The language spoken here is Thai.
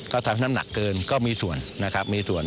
ก็ทำให้น้ำหนักเกินก็มีส่วน